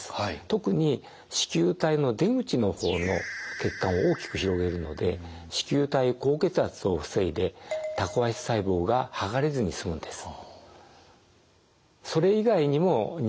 特に糸球体の出口の方の血管を大きく広げるので糸球体高血圧を防いでタコ足細胞が剥がれずに済むんです。